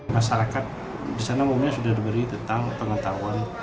masyarakat di sana umumnya sudah diberi tentang pengetahuan